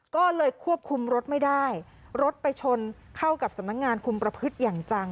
ก็เลยควบคุมรถไม่ได้รถไปชนเข้ากับสำนักงานคุมประพฤติอย่างจัง